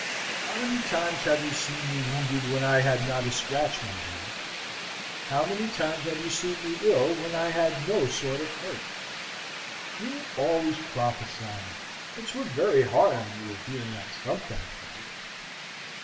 "How many times have you seen me wounded, when I had not a scratch, my dear? How many times have you seen me ill when I had no sort of hurt? You are always prophesying, and 'twere very hard on you if you were not sometimes right.